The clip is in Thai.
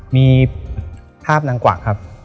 มีภาพนางกวักครับ